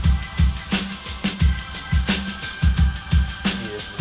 いいですね。